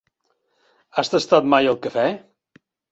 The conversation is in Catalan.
Has tastat mai el cafè?